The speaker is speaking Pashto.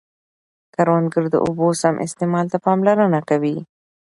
کروندګر د اوبو سم استعمال ته پاملرنه کوي